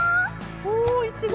おおいちご！